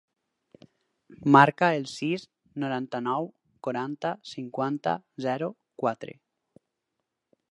Marca el sis, noranta-nou, quaranta, cinquanta, zero, quatre.